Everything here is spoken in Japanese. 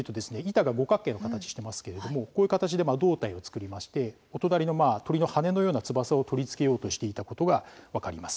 板が五角形の形してますけれどもこういう形でまあ胴体を作りましてお隣の鳥の羽のような翼を取り付けようとしていたことが分かります。